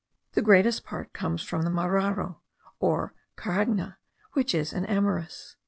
The greatest part comes from the mararo or caragna, which is an amyris.